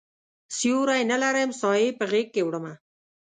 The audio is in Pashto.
سیوری نه لرم سایې په غیږکې وړمه